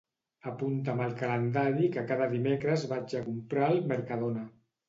Apunta'm al calendari que cada dimecres vaig a comprar al Mercadona.